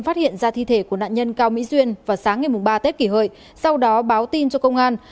phát hiện ra thi thể của nạn nhân cao mỹ duyên vào sáng ngày ba tết kỷ hợi sau đó báo tin cho công an